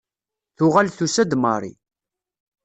Tuɣal tusa-d Marie.